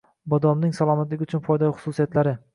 Bodomning salomatlik uchun foydali xususiyatlari